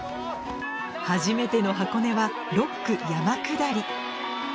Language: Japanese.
初めての箱根は６区山下り